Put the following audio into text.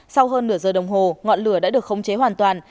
sau hơn nửa giờ đồng hồ ngọn lửa đã được khống chế hoàn toàn